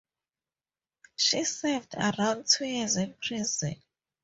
She served around two years in prison.